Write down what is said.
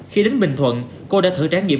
khi đến bình thuận cô đã thử trải nghiệm